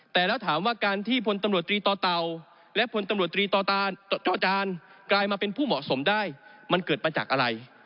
แต่แล้วถามว่าการที่พลตำรวจตรีต่อเต่าและพลตำรวจตรีจอจานกลายมาเป็นผู้เหมาะสมได้มันเกิดมาจากอะไร